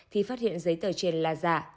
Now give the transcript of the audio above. thì phát hiện giấy tờ trên là giả